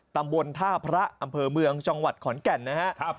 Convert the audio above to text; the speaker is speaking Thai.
ตำบลท่าพระอำเภอเมืองจังหวัดขอนแก่นนะครับ